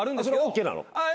ＯＫなの？